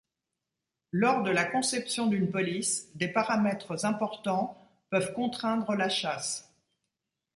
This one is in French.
Lors de la conception d’une police, des paramètres importants peuvent contraindre la chasse.